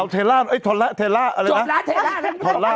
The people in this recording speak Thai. ทัลล่าทัลล่าอะไรนะ